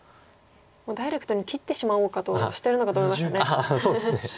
もうダイレクトに切ってしまおうかとしてるのかと思いましたね。